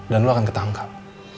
dan lo akan ketangkap